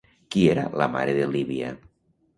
Qui era la mare de Líbia?